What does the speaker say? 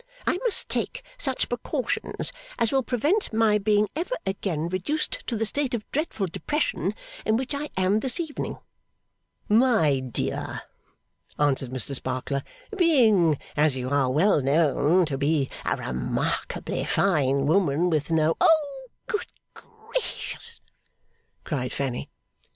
I must take such precautions as will prevent my being ever again reduced to the state of dreadful depression in which I am this evening.' 'My dear,' answered Mr Sparkler; 'being as you are well known to be, a remarkably fine woman with no ' 'Oh, good GRACIOUS!' cried Fanny.